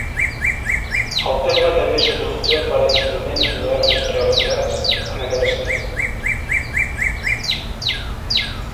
El terme també s'utilitza per a instruments moderns realitzats en aquest estil.